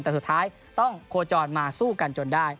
แต่สุดท้ายต้องโคจรมาสู้กันจนได้